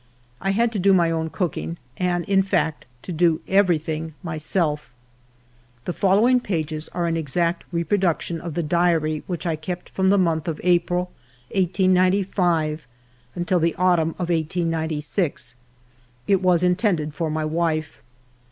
I had to do my own cooking, and in fact to do every thing myself. The following pages are an exact reproduction of the diary which I kept from the month of April, 1895, until the autumn of 1896. It was intended for my wife.